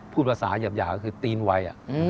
พูดภาษาหยาบก็คือตีนไว